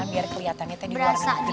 biasa biar kelihatannya teh di luar negeri